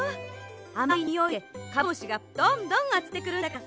あまいにおいでカブトムシがどんどんあつまってくるんだから。